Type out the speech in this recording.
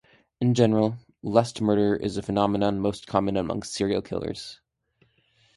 In general, lust murder is a phenomenon most common among serial killers.